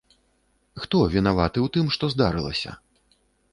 Хто вінаваты ў тым, што здарылася?